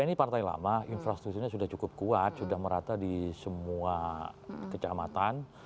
ini partai lama infrastrukturnya sudah cukup kuat sudah merata di semua kecamatan